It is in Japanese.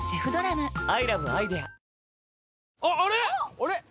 あれ⁉